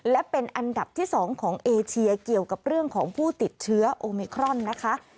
และเป็นอันดับที่๒ของเอเชียเกี่ยวกับเรื่องของผู้ติดเชื้อโอมิครอนนะคะ